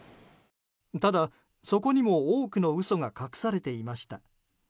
ただ、そこにも多くの嘘が隠されていました。